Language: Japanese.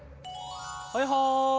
はいはい。